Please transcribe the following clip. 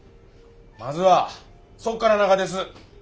まずはそっからながです。